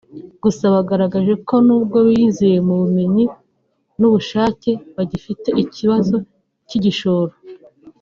Gusa bagaragaje ko n’ubwo biyizeye mu bumenyi n’ubushake bagifite ikibazo cy’igishoro